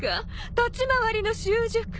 立ち回りの習熟